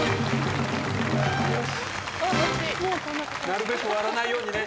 なるべく割らないようにね。